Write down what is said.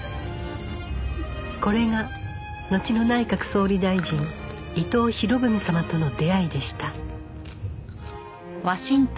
これがのちの内閣総理大臣伊藤博文様との出会いでした